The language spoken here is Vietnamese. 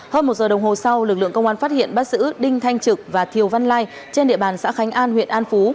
hơn một giờ đồng hồ sau lực lượng công an phát hiện bắt giữ đinh thanh trực và thiều văn lai trên địa bàn xã khánh an huyện an phú